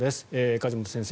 梶本先生